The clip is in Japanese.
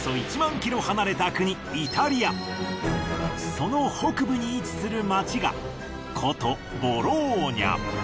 その北部に位置する街が古都ボローニャ。